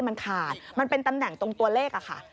มันขาดมันเป็นตำแหน่งตรงตัวเลขอะค่ะ